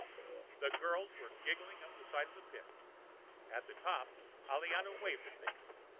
The girls went giggling up the side of the pit. At the top, Aliana waved at me.